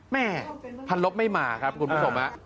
พันลบไม่มาครับคุณผู้ชม